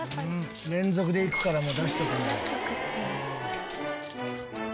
「連続でいくからもう出しておくんだ」